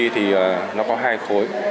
thì nó có hai khối